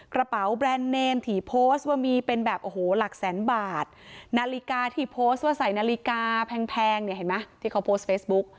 กระเป๋าแบรนด์เนมที่โพสต์ว่ามีเป็นแบบโอ้โหหลักแสนบาทนาฬิกาที่โพสต์ว่าใส่นาฬิกาแพงเนี่ยเห็นไหมที่เขาโพสต์เฟซบุ๊ก